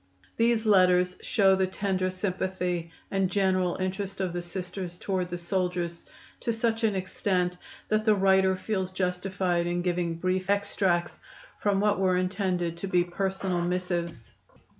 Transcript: These letters show the tender sympathy and generous interest of the Sisters towards the soldiers to such an extent that the writer feels justified in giving brief extracts from what were intended to be personal missives.